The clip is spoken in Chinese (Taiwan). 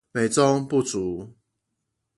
美中不足